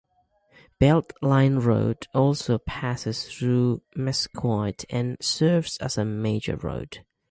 Belt Line Road also passes through Mesquite and serves as a major road.